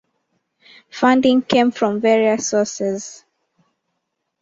Funding came from various sources.